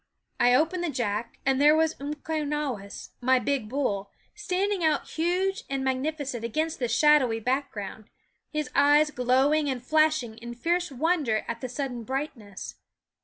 I opened the jack, and there was Umquenawis, my big bull, standing out huge and magnificent against the shadowy back ground, his eyes glowing and flashing in fierce wonder at the sudden brightness.